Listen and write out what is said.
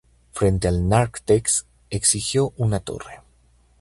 Frente al nártex erigió una torre.